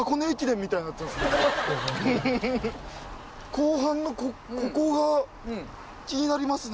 後半のここが気になりますね。